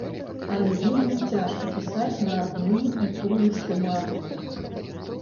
Але вельмі цяжка пісаць на адну і тую ж тэматыку.